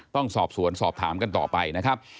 ต้องสอบสวนสอบถามกันต่อไปนะครับ